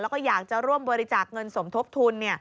แล้วก็อยากจะร่วมบริจาคเงินสมทบทุน